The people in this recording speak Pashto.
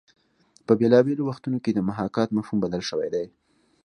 په بېلابېلو وختونو کې د محاکات مفهوم بدل شوی دی